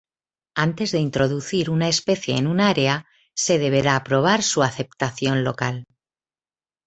Antes de introducir una especie en un área, se deberá probar su aceptación local.